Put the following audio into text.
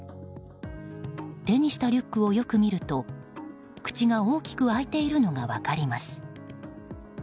手にしたリュックをよく見ると口が大きく開いているのが分かります。